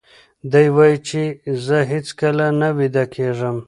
دی وایي چې زه هیڅکله نه ویده کېږم.